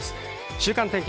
週間天気